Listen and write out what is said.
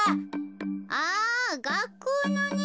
あがっこうのね。